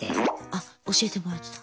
あ教えてもらってた。